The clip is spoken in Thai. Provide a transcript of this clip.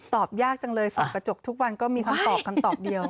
ยากจังเลยส่องกระจกทุกวันก็มีคำตอบคำตอบเดียว